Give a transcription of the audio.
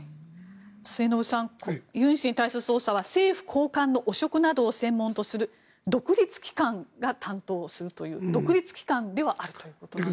末延さんユン氏に対する捜査は政府高官の汚職などを専門とする独立機関が担当するという独立機関ではあるということです。